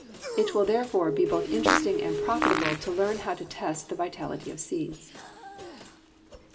It will therefore be both interesting and profitable to learn how to test the vitality of seeds.